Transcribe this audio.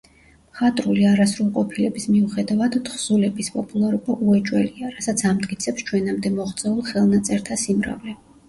მხატვრული არასრულყოფილების მიუხედავად, თხზულების პოპულარობა უეჭველია, რასაც ამტკიცებს ჩვენამდე მოღწეულ ხელნაწერთა სიმრავლე.